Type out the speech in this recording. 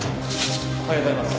おはようございます。